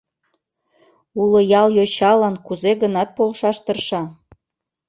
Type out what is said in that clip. Уло ял йочалан кузе-гынат полшаш тырша.